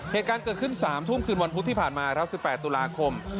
เหตุการณ์เกิดขึ้น๓ทุ่มคืนวันพุธที่ผ่านมาครับ๑๘ตุลาคม